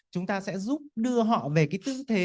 chúng ta sẽ giúp đưa họ về cái tư thế